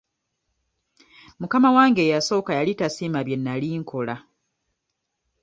Mukama wange eyasooka yali tasiima bye nali nkola.